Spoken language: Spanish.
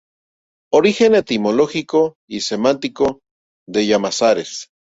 Origen Etimológico y Semántico de Llamazares.